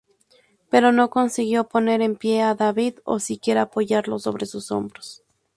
Pero no consiguió poner en pie a David o siquiera apoyarlo sobre sus hombros.